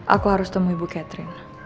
aku harus temui bu catherine